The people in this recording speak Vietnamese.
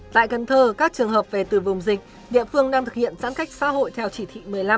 tại cần thơ các trường hợp về từ vùng dịch địa phương đang thực hiện giãn cách xã hội theo chỉ thị một mươi năm